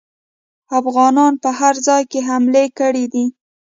افغانانو په هر ځای کې حملې کړي دي.